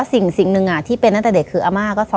และยินดีต้อนรับทุกท่านเข้าสู่เดือนพฤษภาคมครับ